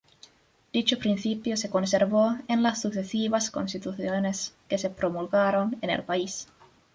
Dicho principio se conservó en las sucesivas constituciones que se promulgaron en el país.